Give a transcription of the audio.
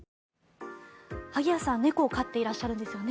萩谷さん、猫を飼っていらっしゃるんですよね。